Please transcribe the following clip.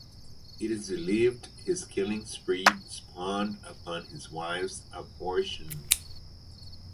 It is believed his killing spree spawned upon his wife’s abortion.